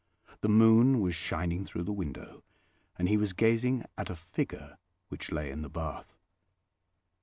The moon was shining through the window, and he was gazing at a figure which lay in the bath.